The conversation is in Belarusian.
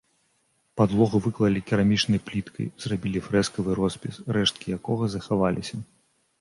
Падлогу выклалі керамічнай пліткай, зрабілі фрэскавы роспіс, рэшткі якога захаваліся.